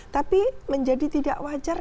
tapi menjadi tidak wajar